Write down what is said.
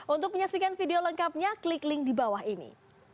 untuk menyaksikan video lengkapnya klik link di bawah ini